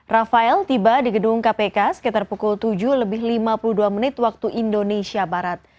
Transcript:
rafael tiba di gedung kpk sekitar pukul tujuh lebih lima puluh dua menit waktu indonesia barat